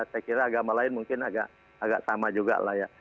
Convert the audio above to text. saya kira agama lain mungkin agak sama juga lah ya